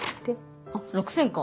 あっ６０００か。